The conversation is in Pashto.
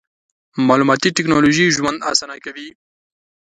مالوماتي ټکنالوژي ژوند اسانه کوي.